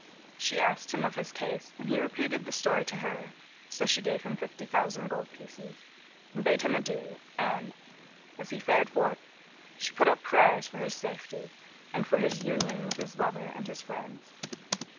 She asked him of his case and he repeated the story to her; so she gave him fifty thousand gold pieces and bade him adieu; and, as he fared forth, she put up prayers for his safety and for his union with his lover and his friends.